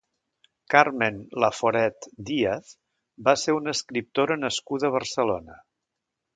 Carmen Laforet Díaz va ser una escriptora nascuda a Barcelona.